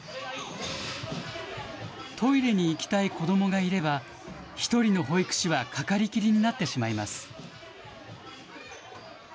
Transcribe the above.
トイレに行きたい子どもがいれば１人の保育士はかかりきりになってしまいます。